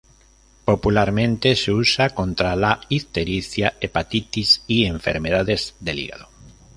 Popularmente se usa contra la ictericia, hepatitis y enfermedades del hígado.